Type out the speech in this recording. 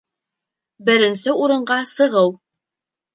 Беренсе урынға сығыу